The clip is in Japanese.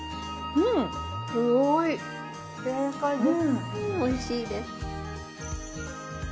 うんおいしいです。